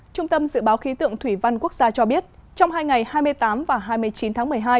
trung tâm dự báo khí tượng thủy văn quốc gia cho biết trong hai ngày hai mươi tám và hai mươi chín tháng một mươi hai